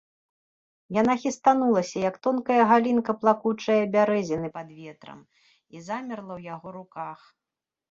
Яна хістанулася, як тонкая галінка плакучае бярэзіны пад ветрам, і замерла ў яго руках.